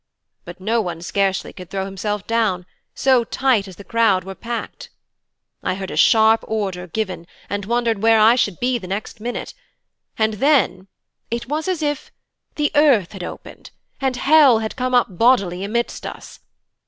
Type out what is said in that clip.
But no one scarcely could throw himself down, so tight as the crowd were packed. I heard a sharp order given, and wondered where I should be the next minute; and then It was as if the earth had opened, and hell had come up bodily amidst us.